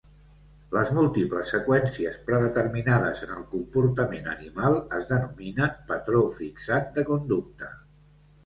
Les múltiples seqüències predeterminades en el comportament animal es denominen patró fixat de conducta.